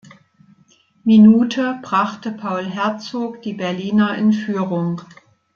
Minute brachte Paul Herzog die Berliner in Führung.